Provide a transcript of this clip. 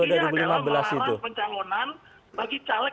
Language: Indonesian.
ada peran penjahonan bagi calon